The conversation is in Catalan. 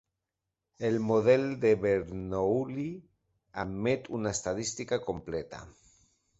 El model de Bernoulli admet una estadística completa.